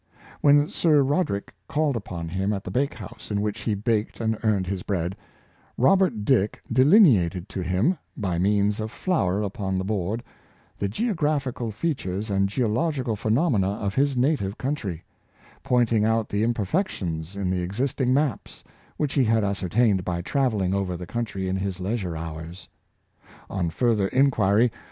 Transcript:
When Sir Roder ick called upon him at the bakehouse in which he baked and earned his bread, Robert Dick delineated to him, by means of flour upon the board, the geographical features and geological phenomena of his native coun try, pointing out the imperfections in the existing maps, which he had ascertained by traveling over the coun try in his leisure hours. On further inquiry.